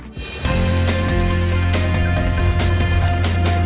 selamanya giangan gian brian sepuluh rohan haltarian pc abis tujuh belas